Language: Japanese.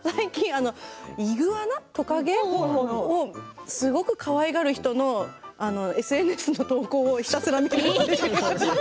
イグアナ、トカゲをすごいかわいがる人のＳＮＳの投稿をひたすら見ています。